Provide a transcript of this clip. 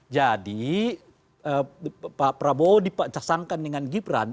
jadi pak prabowo dipacasangkan dengan gibran